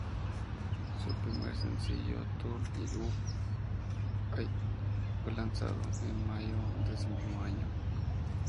Su primer sencillo, "Turn It Up" fue lanzado en mayo de ese mismo año.